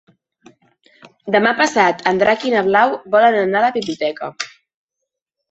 Demà passat en Drac i na Blau volen anar a la biblioteca.